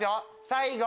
最後。